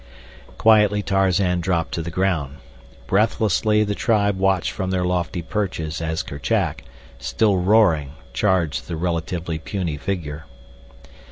Quietly Tarzan dropped to the ground. Breathlessly the tribe watched from their lofty perches as Kerchak, still roaring, charged the relatively puny figure.